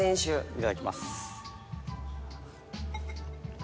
いただきます。